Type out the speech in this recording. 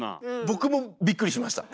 僕もびっくりしました。